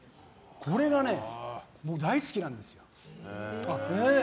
これがね、大好きなんです。